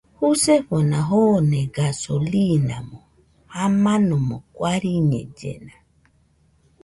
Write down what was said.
Jusefona joone gasolimo jamanomo guariñellena